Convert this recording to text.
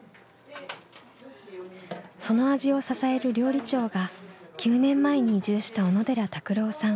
その味を支える料理長が９年前に移住した小野寺拓郎さん。